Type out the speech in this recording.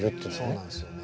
そうなんですよね。